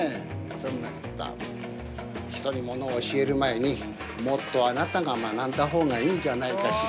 人に物を教える前にもっとあなたが学んだ方がいいんじゃないかしら。